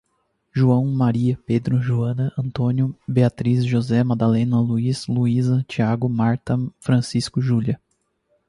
João, Maria, Pedro, Joana, António, Beatriz, José, Madalena, Luís, Luísa, Tiago, Marta, Francisco, Júlia